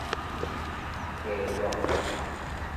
加用